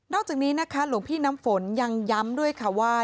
จากนี้นะคะหลวงพี่น้ำฝนยังย้ำด้วยค่ะว่า